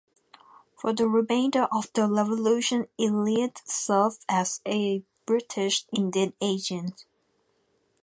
For the remainder of the Revolution Elliott served as a British Indian agent.